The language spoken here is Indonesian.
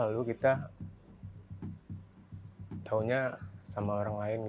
lalu kita tahunya sama orang lain